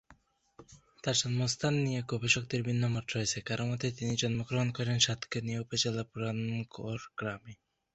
তার জন্মস্থান নিয়ে গবেষকদের ভিন্নমত রয়েছে; কারো মতে, তিনি জন্মগ্রহণ করেন সাতকানিয়া উপজেলার পুরানগড় গ্রামে।